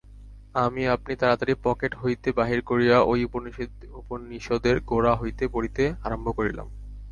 আমি অমনি তাড়াতাড়ি পকেট হইতে বাহির করিয়া ঐ উপনিষদের গোড়া হইতে পড়িতে আরম্ভ করিলাম।